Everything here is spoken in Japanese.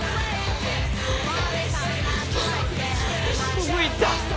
どこ行った？